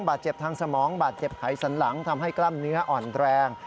บาดเจ็บทางสมองบาดเจ็บไขสันหลังทำให้กล้ามเนื้ออ่อนแรง